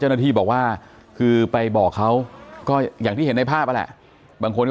อ๋อเจ้าสีสุข่าวของสิ้นพอได้ด้วย